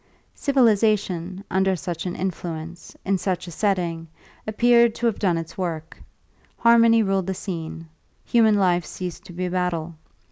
Civilisation, under such an influence, in such a setting, appeared to have done its work; harmony ruled the scene; human life ceased to be a battle.